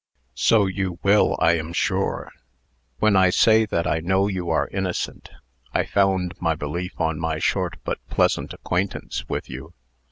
"So you will, I am sure. When I say that I know you are innocent, I found my belief on my short but pleasant acquaintance with you.